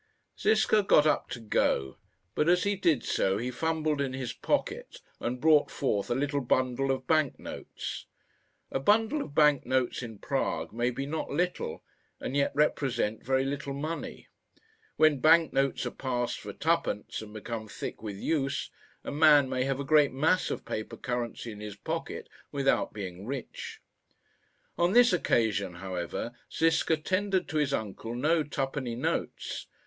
Ziska got up to go, but as he did so he fumbled in his pocket and brought forth a little bundle of bank notes. A bundle of bank notes in Prague may be not little, and yet represent very little money. When bank notes are passed for two pence and become thick with use, a man may have a great mass of paper currency in his pocket without being rich. On this occasion, however, Ziska tendered to his uncle no two penny notes.